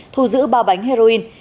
thu giữ ba bánh heroin